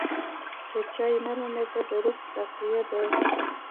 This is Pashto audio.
د چای نرمه مزه د روح تغذیه ده.